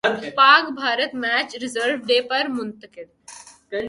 پاک Bharat match reserve day پر منتقل